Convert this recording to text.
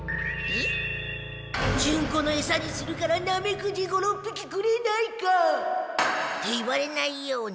ジュンコのエサにするからナメクジ５６匹くれないか？って言われないように。